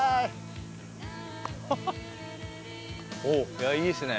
いやいいですね。